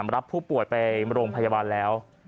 รับผู้ป่วยไปโรงพยาบาลแล้ว